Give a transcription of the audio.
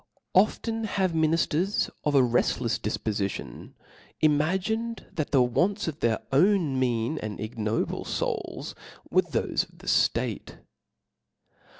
Often have ihinifters trfa feftlefs difpofition imagifiedi, that the wants <)f their o>yn mean and ignoble fouls were thofe of the ftate.